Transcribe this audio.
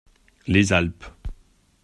Les Alpes.